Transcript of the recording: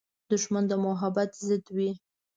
دښمن د محبت ضد وي